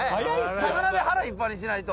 魚で腹いっぱいにしないと。